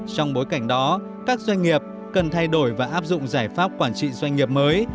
bên cạnh đó các doanh nghiệp cần thay đổi và áp dụng giải pháp quản trị doanh nghiệp mới